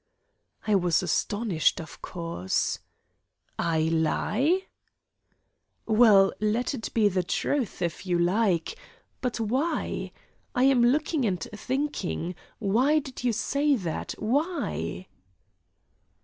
I was astonished, of course. "I lie?" "Well, let it be the truth, if you like, but why? I am looking and thinking. Why did you say that? Why?"